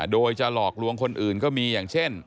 โดยจะหลอกลวงคนอื่นก็มีอย่างเช่น